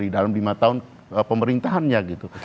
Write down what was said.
dalam lima tahun pemerintahannya gitu